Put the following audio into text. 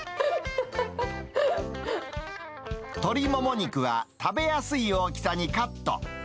鶏もも肉は食べやすい大きさにカット。